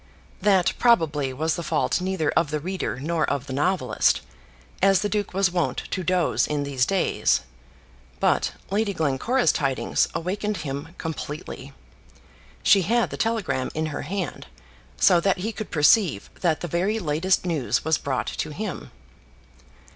That, probably, was the fault neither of the reader nor of the novelist, as the duke was wont to doze in these days. But Lady Glencora's tidings awakened him completely. She had the telegram in her hand, so that he could perceive that the very latest news was brought to him.